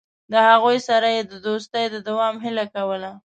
له هغوی سره یې د دوستۍ د دوام هیله کوله.